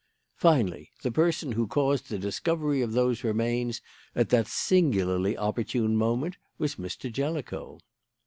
"Finally, the person who caused the discovery of those remains at that singularly opportune moment was Mr. Jellicoe.